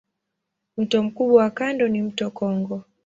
Mto mkubwa wa kanda ni mto Kongo.